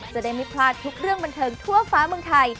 จะได้ไม่พลาดทุกเรื่องบันเทิงทั่วฟ้าเมืองไทย